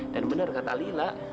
dan benar kata lila